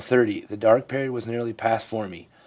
The dark period has nearly passed for me.